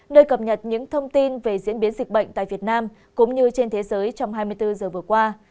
nơi cập nhật những thông tin về diễn biến dịch bệnh tại việt nam cũng như trên thế giới trong hai mươi bốn giờ vừa qua